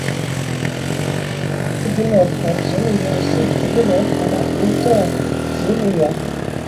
直布罗陀植物园是直布罗陀的一座植物园。